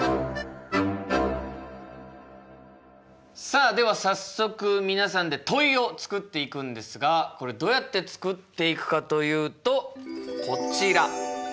さあでは早速皆さんで問いを作っていくんですがこれどうやって作っていくかというとこちら。